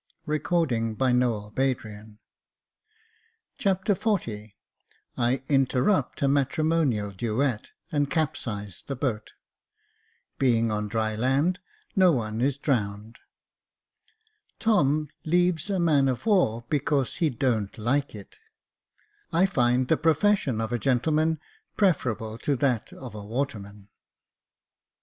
Jacob Faithful t^j^ Chapter XL I interrupt a matrimonial duet and capsize the boat — Being on dry land, no one is drowned — Tom leaves a man of war because he don't like it — I find the profession of a gentleman preferable to that of a waterman.